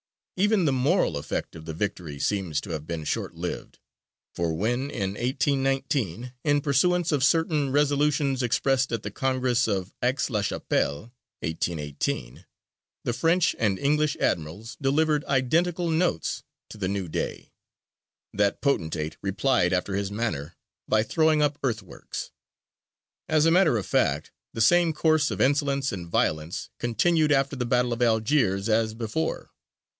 Even the moral effect of the victory seems to have been shortlived, for when, in 1819, in pursuance of certain resolutions expressed at the Congress of Aix la Chapelle (1818) the French and English admirals delivered "identical notes" to the new Dey, that potentate replied after his manner by throwing up earthworks. As a matter of fact the same course of insolence and violence continued after the Battle of Algiers as before.